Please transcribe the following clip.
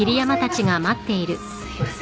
すいません。